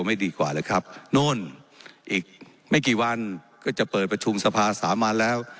ไม่ดีกว่าเลยครับโน่นอีกไม่กี่วันก็จะเปิดประชุมสภาสามัญแล้ว